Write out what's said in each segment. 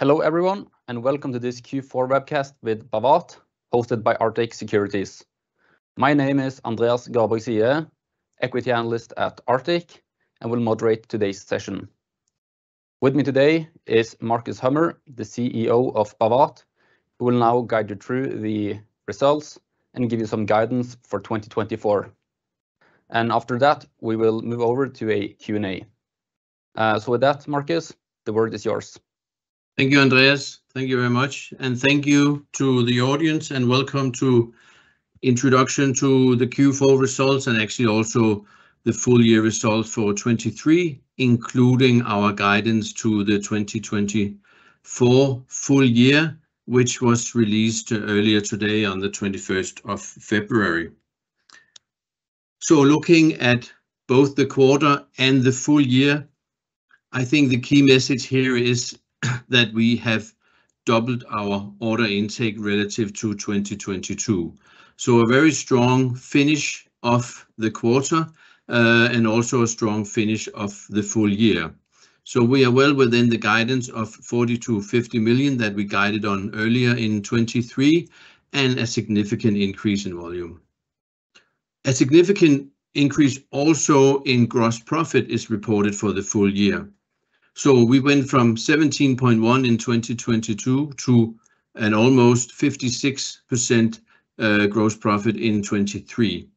Hello everyone and Welcome to this Q4 Webcast with Bawat, hosted by Arctic Securities. My name is Andreas Sie, equity analyst at Arctic, and will moderate today's session. With me today is Marcus Hummer, the CEO of Bawat, who will now guide you through the results and give you some guidance for 2024. After that, we will move over to a Q&A. With that, Marcus, the word is yours. Thank you, Andreas. Thank you very much. Thank you to the audience, and Welcome to the Introduction to the Q4 Results and actually also the full year results for 2023, including our guidance to the 2024 full year, which was released earlier today on the 21st of February. Looking at both the quarter and the full year, I think the key message here is that we have doubled our order intake relative to 2022. A very strong finish of the quarter and also a strong finish of the full year. We are well within the guidance of 42 million-50 million that we guided on earlier in 2023 and a significant increase in volume. A significant increase also in gross profit is reported for the full year. We went from 17.1 million in 2022 to an almost 56% gross profit in 2023.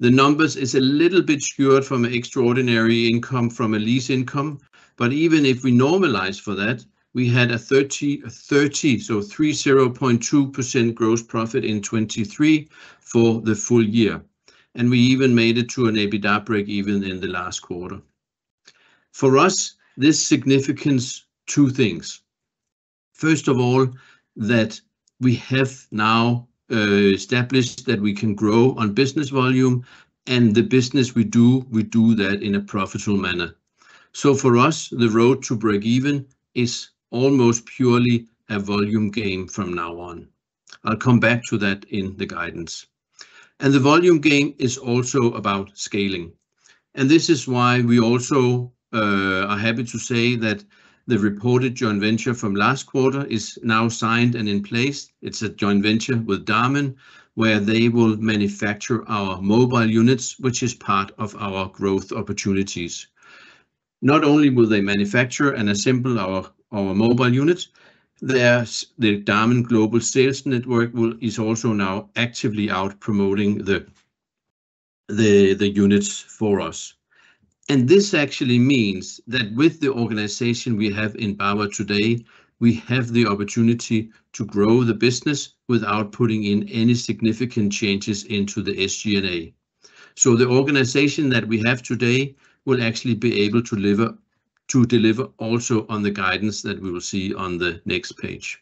The numbers are a little bit skewed from an extraordinary income from a lease income, but even if we normalize for that, we had a 30, so 30.2% gross profit in 2023 for the full year. We even made it to an EBITDA breakeven in the last quarter. For us, this signifies two things. First of all, that we have now established that we can grow on business volume, and the business we do, we do that in a profitable manner. So for us, the road to breakeven is almost purely a volume gain from now on. I'll come back to that in the guidance. And the volume gain is also about scaling. And this is why we also are happy to say that the reported joint venture from last quarter is now signed and in place. It's a joint venture with Damen, where they will manufacture our mobile units, which is part of our growth opportunities. Not only will they manufacture and assemble our mobile units, the Damen global sales network is also now actively out promoting the units for us. This actually means that with the organization we have in Bawat today, we have the opportunity to grow the business without putting in any significant changes into the SG&A. The organization that we have today will actually be able to deliver also on the guidance that we will see on the next page.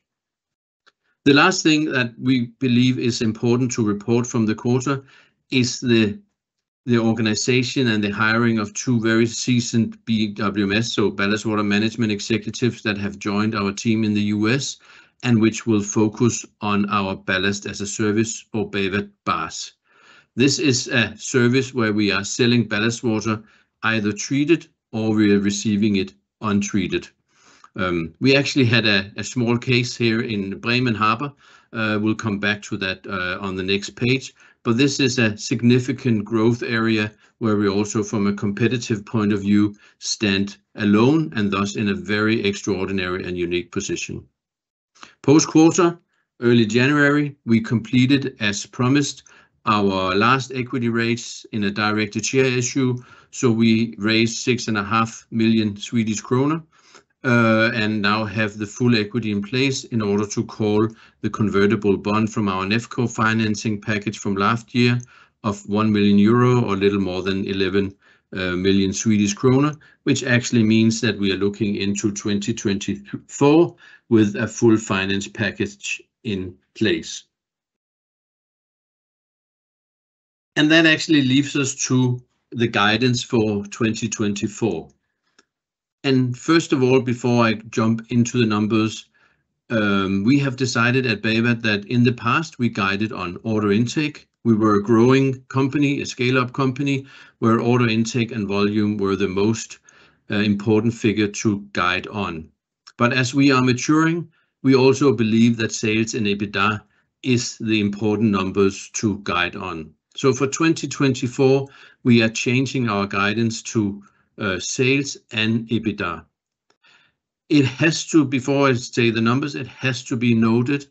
The last thing that we believe is important to report from the quarter is the organization and the hiring of two very seasoned BWMS, so ballast water management executives that have joined our team in the U.S. and which will focus on our ballast as a service or Bawat BaaS. This is a service where we are selling ballast water either treated or we are receiving it untreated. We actually had a small case here in Bremen harbor. We'll come back to that on the next page. But this is a significant growth area where we also, from a competitive point of view, stand alone and thus in a very extraordinary and unique position. Post-quarter, early January, we completed, as promised, our last equity raise in a directed share issue. So we raised 6.5 million Swedish kronor and now have the full equity in place in order to call the convertible bond from our NEFCO financing package from last year of 1 million euro or a little more than 11 million Swedish kronor, which actually means that we are looking into 2024 with a full finance package in place. And that actually leaves us to the guidance for 2024. First of all, before I jump into the numbers, we have decided at Bawat that in the past we guided on order intake. We were a growing company, a scale-up company, where order intake and volume were the most important figure to guide on. But as we are maturing, we also believe that sales and EBITDA are the important numbers to guide on. So for 2024, we are changing our guidance to sales and EBITDA. Before I say the numbers, it has to be noted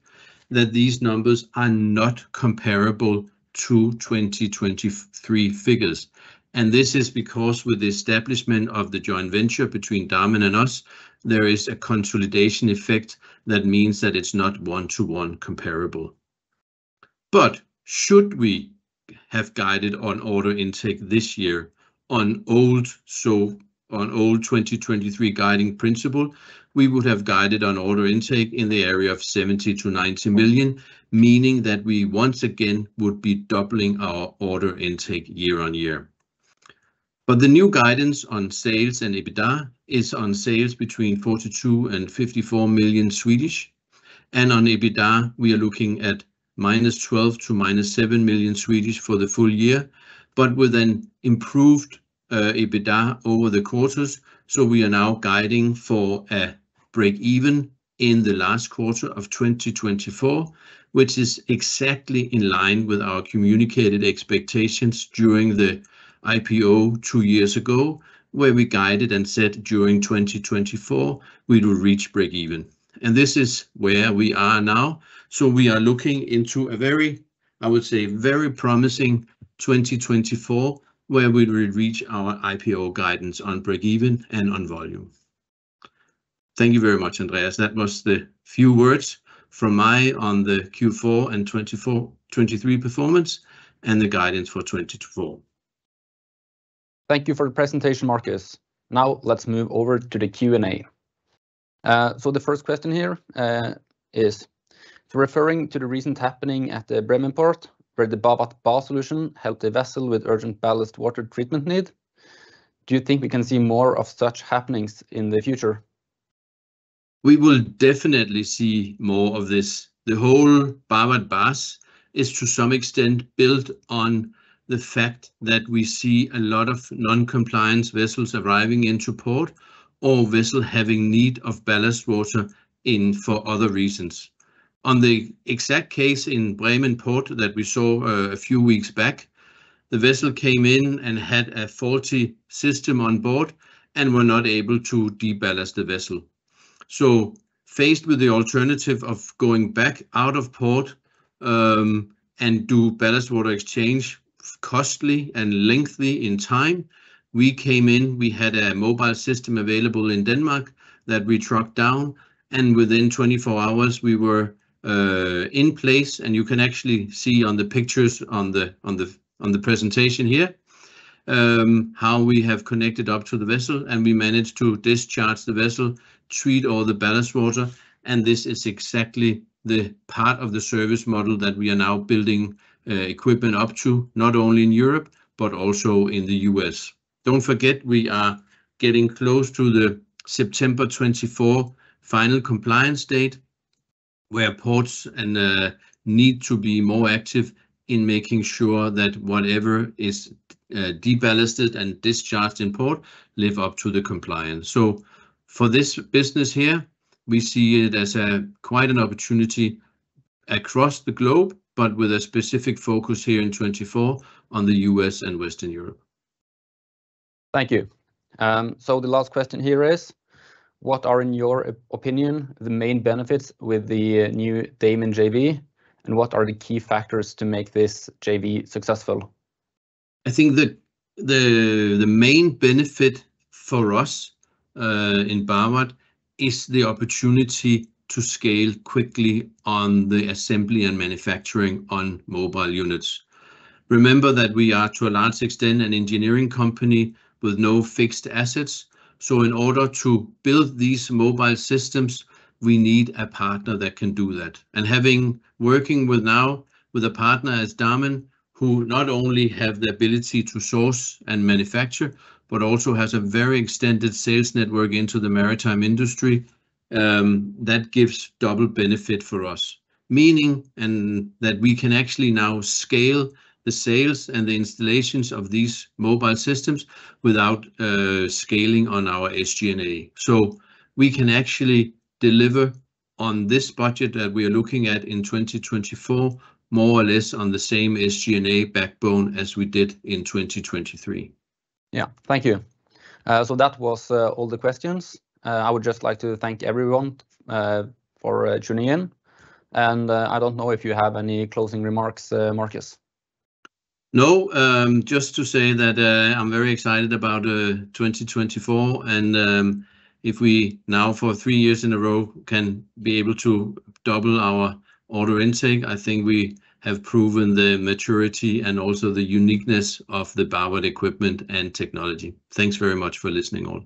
that these numbers are not comparable to 2023 figures. This is because with the establishment of the joint venture between Damen and us, there is a consolidation effect that means that it's not one-to-one comparable. Should we have guided on order intake this year under our old 2023 guiding principle, we would have guided on order intake in the area of 70-90 million, meaning that we once again would be doubling our order intake year-on-year. The new guidance on sales and EBITDA is on sales between 42-54 million. On EBITDA, we are looking at -12 to -7 million for the full year, but with an improved EBITDA over the quarters. We are now guiding for a breakeven in the last quarter of 2024, which is exactly in line with our communicated expectations during the IPO two years ago, where we guided and said during 2024 we would reach break even. This is where we are now. So we are looking into a very, I would say, very promising 2024 where we will reach our IPO guidance on break even and on volume. Thank you very much, Andreas. That was the few words from my on the Q4 and 2023 performance and the guidance for 2024. Thank you for the presentation, Marcus. Now let's move over to the Q&A. So the first question here is: Referring to the recent happening at the Bremen port where the Bawat BaaS solution helped a vessel with urgent ballast water treatment need, do you think we can see more of such happenings in the future? We will definitely see more of this. The whole Bawat BaaS is, to some extent, built on the fact that we see a lot of non-compliance vessels arriving into port or vessels having need of ballast water for other reasons. On the exact case in Bremen port that we saw a few weeks back, the vessel came in and had a faulty system on board and were not able to deballast the vessel. So faced with the alternative of going back out of port and do ballast water exchange costly and lengthy in time, we came in. We had a mobile system available in Denmark that we trucked down, and within 24 hours we were in place. You can actually see on the pictures on the presentation here how we have connected up to the vessel, and we managed to discharge the vessel, treat all the ballast water. This is exactly the part of the service model that we are now building equipment up to, not only in Europe but also in the U.S. Don't forget, we are getting close to the September 2024 final compliance date, where ports need to be more active in making sure that whatever is deballasted and discharged in port lives up to the compliance. So for this business here, we see it as quite an opportunity across the globe, but with a specific focus here in 2024 on the U.S. and Western Europe. Thank you. So the last question here is: What are, in your opinion, the main benefits with the new Damen JV, and what are the key factors to make this JV successful? I think the main benefit for us in Bawat is the opportunity to scale quickly on the assembly and manufacturing on mobile units. Remember that we are, to a large extent, an engineering company with no fixed assets. So in order to build these mobile systems, we need a partner that can do that. And working now with a partner as Damen, who not only has the ability to source and manufacture but also has a very extended sales network into the maritime industry, that gives double benefit for us, meaning that we can actually now scale the sales and the installations of these mobile systems without scaling on our SG&A. So we can actually deliver on this budget that we are looking at in 2024 more or less on the same SG&A backbone as we did in 2023. Yeah, thank you. That was all the questions. I would just like to thank everyone for tuning in. I don't know if you have any closing remarks, Marcus. No, just to say that I'm very excited about 2024. If we now, for three years in a row, can be able to double our order intake, I think we have proven the maturity and also the uniqueness of the Bawat equipment and technology. Thanks very much for listening all.